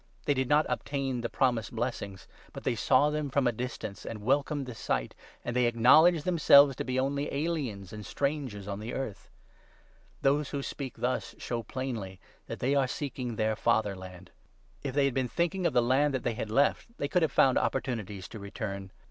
They did not obtain the promised blessings, but they saw them from a distance and welcomed the sight, and they acknowledged themselves to be only aliens and strangers on the earth. Those who speak thus show plainly that they are seeking their fatherland. If they had been thinking of the land that they had left, they could have found opportunities to return.